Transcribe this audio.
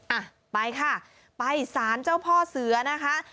อ่ะไปค่ะไปสารเจ้าพ่อเสือนะคะ